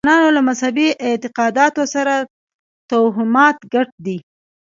د افغانانو له مذهبي اعتقاداتو سره توهمات ګډ دي.